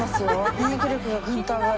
『免疫力がグンと上がる！